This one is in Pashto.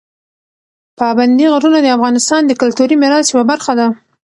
پابندي غرونه د افغانستان د کلتوري میراث یوه برخه ده.